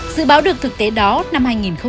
dự báo được thực tế đó năm hai nghìn một mươi một